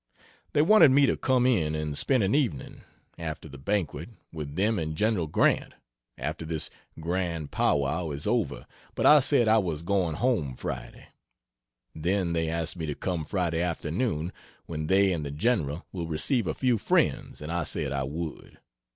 They wanted me to come in and spend an evening, after the banquet, with them and Gen. Grant, after this grand pow wow is over, but I said I was going home Friday. Then they asked me to come Friday afternoon, when they and the general will receive a few friends, and I said I would.